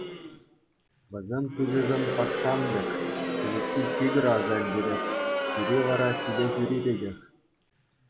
Вӗсен пуҫӗсем пакшан пек, кӗлетки тигра аса илтерет, хӳри вара тилӗ хӳри пекех.